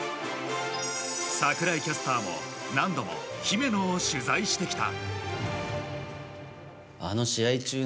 櫻井キャスターも何度も姫野を取材してきた。